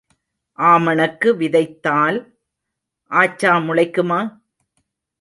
ஆமணக்கு விதைத்தால் ஆச்சா முளைக்குமா?